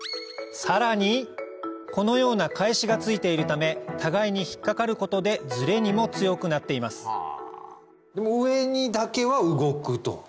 さらにこのような返しがついているため互いに引っ掛かることでズレにも強くなっていますでも上にだけは動くと。